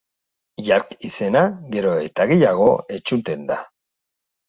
Hiart izena, gero eta gehiago entzuten da.